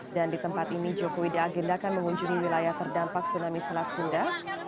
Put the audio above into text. dan di tempat ini joko widodo agendakan mengunjungi wilayah terdampak tsunami selat sunda